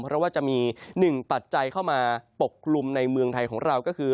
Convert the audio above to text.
เพราะว่าจะมีหนึ่งปัจจัยเข้ามาปกกลุ่มในเมืองไทยของเราก็คือ